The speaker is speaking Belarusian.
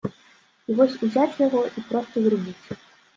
І вось узяць яго, і проста зрубіць.